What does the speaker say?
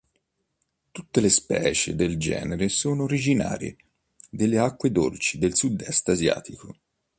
Tutte le specie del genere sono originarie delle acque dolci del Sudest asiatico.